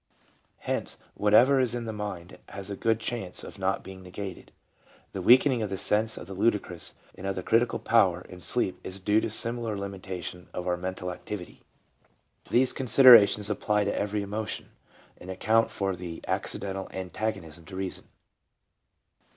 Hence, whatever is in the mind has a good chance of not being negated. The weakening of the sense of the ludicrous and of the critical power in sleep is due to a similar limitation of our mental activity. These considera tions apply to every emotion, and account for their accidental antagonism to reason.